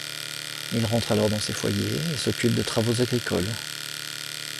Il rentre alors dans ses foyers et s'occupe de travaux agricoles.